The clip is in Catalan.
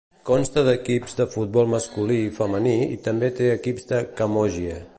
Consta d'equips de futbol masculí i femení i també té equips de camogie.